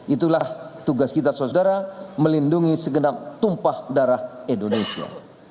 itulah tugas kita saudara melindungi segenap tumpah darah indonesia